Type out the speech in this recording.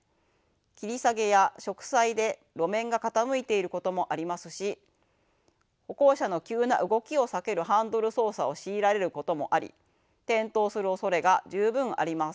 切り下げや植栽で路面が傾いていることもありますし歩行者の急な動きを避けるハンドル操作を強いられることもあり転倒するおそれが十分あります。